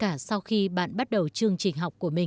cả sau khi bạn bắt đầu chương trình học của mình